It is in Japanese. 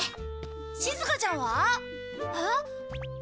しずかちゃんは？えっ？